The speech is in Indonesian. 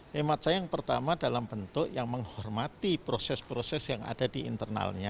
hemat saya yang pertama dalam bentuk yang menghormati proses proses yang ada di internalnya